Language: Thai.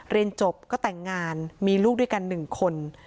เรียนจบก็แต่งงานมีลูกด้วยกัน๑คน